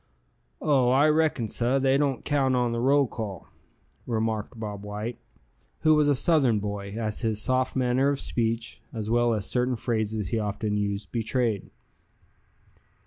"Oh! I reckon, suh, they don't count on the roll call," remarked Bob White, who was a Southern boy, as his soft manner of speech, as well as certain phrases he often used, betrayed.